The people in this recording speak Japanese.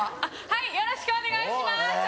よろしくお願いします！